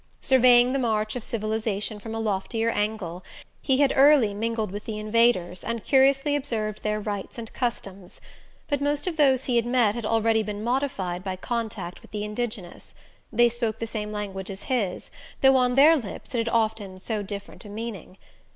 Surveying the march of civilization from a loftier angle, he had early mingled with the Invaders, and curiously observed their rites and customs. But most of those he had met had already been modified by contact with the indigenous: they spoke the same language as his, though on their lips it had often so different a meaning.